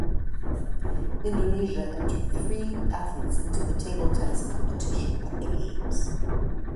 Indonesia entered three athletes into the table tennis competition at the games.